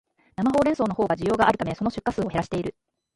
生ホウレンソウのほうが需要があるため、その出荷数を減らしている